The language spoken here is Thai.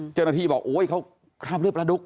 เจ้าหน้าที่บอกโอ๊ยเขาคราบเลือดประดุก